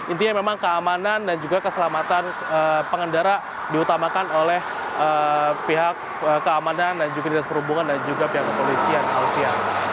intinya memang keamanan dan juga keselamatan pengendara diutamakan oleh pihak keamanan dan juga dinas perhubungan dan juga pihak kepolisian alfian